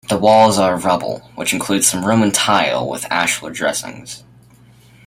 The walls are of rubble, which includes some Roman tile, with ashlar dressings.